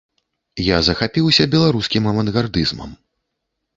Я захапіўся беларускім авангардызмам.